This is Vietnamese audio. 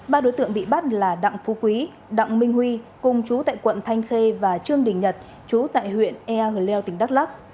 ba đối tượng bị bắt là đặng phú quý đặng minh huy cùng chú tại quận thanh khê và trương đình nhật chú tại huyện ea hồi leo tỉnh đắk lắc